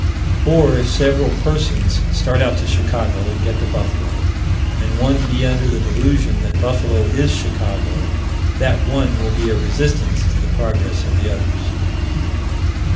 Or, if several persons start out to Chicago, and get to Buffalo, and one be under the delusion that Buffalo is Chicago, that one will be a resistance to the progress of the others.